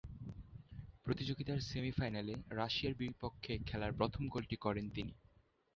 প্রতিযোগিতার সেমি ফাইনালে রাশিয়ার বিপক্ষে খেলার প্রথম গোলটি করেন তিনি।